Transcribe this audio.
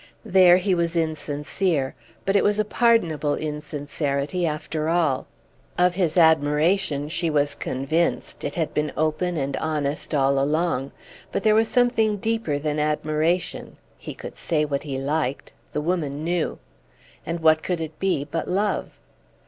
There he was insincere; but it was a pardonable insincerity, after all. Of his admiration she was convinced; it had been open and honest all along; but there was something deeper than admiration. He could say what he liked. The woman knew. And what could it be but love?